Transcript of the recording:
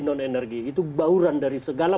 non energi itu bauran dari segala